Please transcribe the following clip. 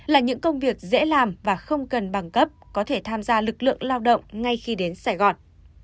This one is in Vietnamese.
là những công việc dễ làm và không cần bằng cấp có thể tham gia lực lượng lao động ngay khi đến sài gòn